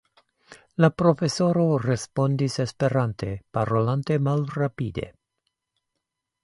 La profesoro respondis Esperante, parolante malrapide: